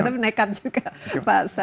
tapi nekat juga pak sai